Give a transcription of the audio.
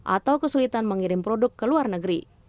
atau kesulitan mengirim produk ke luar negeri